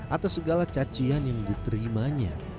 atas segala cacian yang diterimanya